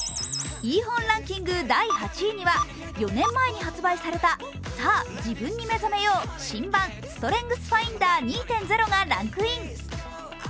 第８位には４年前に発売された「さあ、才能に目覚めようストレングス・ファインダー２．０」がランクイン。